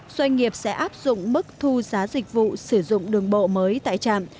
doanh nghiệp sẽ áp dụng mức thu giá dịch vụ sử dụng đường bộ mới tại trạm